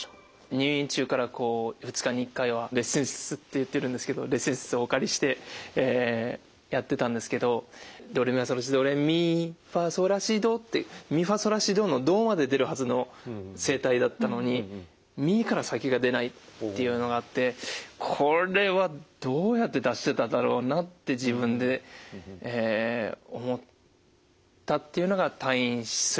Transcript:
入院中からこう２日に１回はレッスン室って言ってるんですけどレッスン室をお借りしてやってたんですけどドレミファソラシドレミファソラシドってミファソラシドの「ド」まで出るはずの声帯だったのに「ミ」から先が出ないっていうのがあってこれはどうやって出してただろうなって自分で思ったっていうのが退院するまでで。